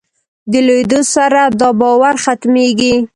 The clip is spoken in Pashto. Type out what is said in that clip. د لویېدو سره دا باور ختمېږي.